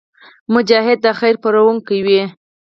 مجاهد د خیر خپرونکی وي.